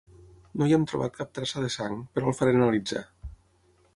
No hi hem trobat cap traça de sang, però el faré analitzar.